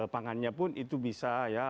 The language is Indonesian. pangannya pun itu bisa